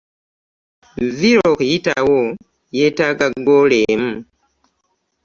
Villa okuyitawo yeetaga ggoolo emu.